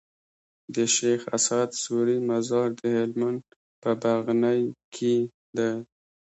د شيخ اسعد سوري مزار د هلمند په بغنی کي دی